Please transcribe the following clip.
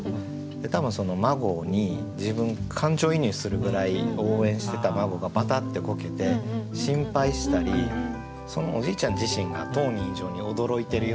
多分孫に自分感情移入するぐらい応援してた孫がバタッてこけて心配したりそのおじいちゃん自身が当人以上に驚いてるような。